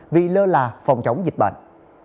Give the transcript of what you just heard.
vì lơ là phòng chống dịch bệnh